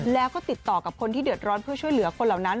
แล้วก็ติดต่อกับคนที่เดือดร้อนเพื่อช่วยเหลือคนเหล่านั้น